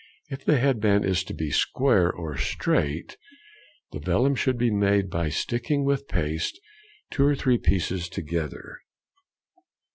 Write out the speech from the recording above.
If the head band is to be square or straight, the vellum should be made by sticking with paste two or three pieces together.